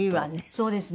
そうですね。